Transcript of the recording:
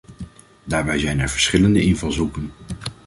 Daarbij zijn er verschillende invalshoeken.